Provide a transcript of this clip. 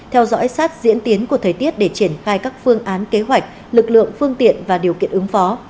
theo dõi sát diễn tiến của thời tiết để triển khai các phương án kế hoạch lực lượng phương tiện và điều kiện ứng phó